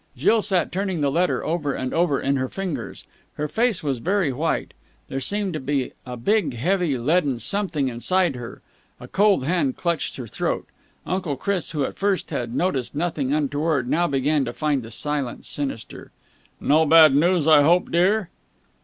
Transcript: Jill sat turning the letter over and over in her fingers. Her face was very white. There seemed to be a big, heavy, leaden something inside her. A cold hand clutched her throat. Uncle Chris, who at first had noticed nothing untoward, now began to find the silence sinister. "No bad news, I hope, dear?"